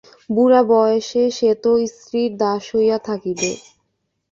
বুড়া বয়সে সে তো স্ত্রীর দাস হইয়া থাকিবে।